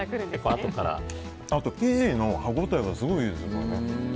あと生地の歯応えがすごいいいですね。